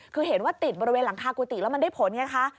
คือเห็นว่าติดบริเวณหลังคากุฏิแล้วมันได้ผลไงคะ